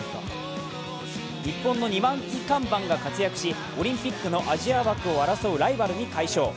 日本の二枚看板が活躍し、オリンピックのアジア枠を争うライバルに快勝。